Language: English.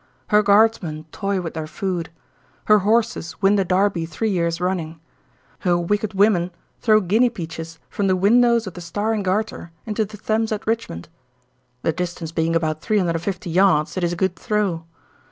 Her guardsmen "toy" with their food. Her horses win the Derby three years running. Her wicked women throw guinea peaches from the windows of the Star and Garter into the Thames at Richmond. The distance being about three hundred and fifty yards, it is a good throw.